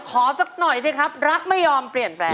สักหน่อยสิครับรักไม่ยอมเปลี่ยนแปลง